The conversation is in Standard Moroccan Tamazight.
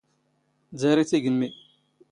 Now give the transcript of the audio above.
ⴷⴰⵔⵉ ⵜⵉⴳⵎⵎⵉ.